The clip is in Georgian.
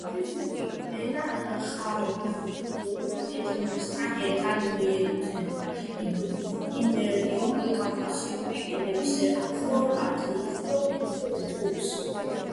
ჩერქეზული ენა ყაბარდოულ ენასთან ერთად მიეკუთვნება იბერიულ-კავკასიური ენების აფხაზურ-ადიღურ ჯგუფს.